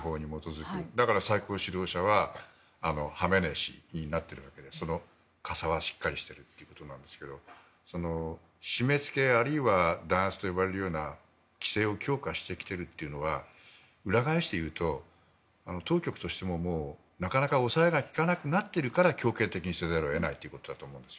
だから最高指導者はハメネイ師になっているわけでそこはしっかりしているということですが締め付け、あるいは弾圧と呼ばれるような規制を強化してきているのは裏返していうと当局としてもなかなか抑えが利かなくなっているので強権的にせざるを得ないと。